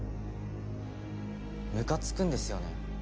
むかつくんですよね。